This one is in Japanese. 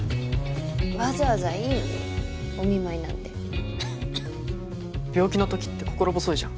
わざわざいいのにお見舞いなんて。病気の時って心細いじゃん。